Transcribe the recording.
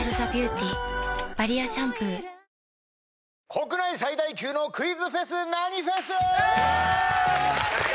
国内最大級のクイズフェス何フェス！